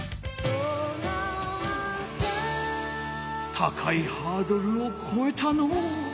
高いハードルをこえたのう。